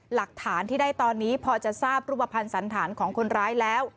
หลักฐานที่ได้ตอนนี้พอจะทราบรูปภัณฑ์สันธารของคนร้ายแล้ว